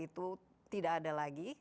itu tidak ada lagi